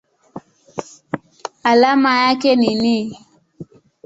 Alama yake ni Ni.